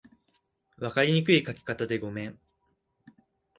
分かりにくい書き方でごめん